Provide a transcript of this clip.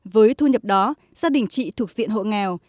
với thu nhập đó gia đình chị thuộc diện hộ nghèo